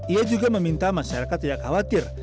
ia juga meminta masyarakat tidak khawatir